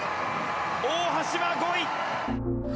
大橋は５位。